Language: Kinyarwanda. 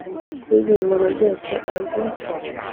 Kuri njye mbona byose azi